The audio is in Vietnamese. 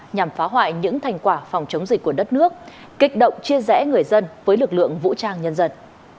nhằm phá hoại những thành quả phòng chống dịch của đất nước kích động chia rẽ người dân với lực lượng vũ trang nhân dân